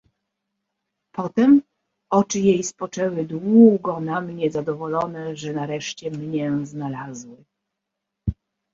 "Potem oczy jej spoczęły długo na mnie zadowolone, że nareszcie mnię znalazły."